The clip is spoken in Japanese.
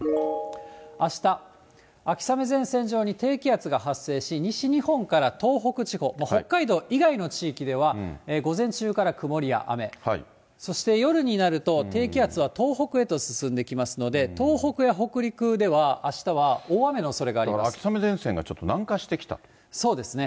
あした、秋雨前線上に低気圧が発生し、西日本から東北地方、もう北海道以外の地域では、午前中から曇りや雨、そして夜になると、低気圧は東北へと進んできますので、東北や北陸では、だから秋雨前線がちょっと南そうですね。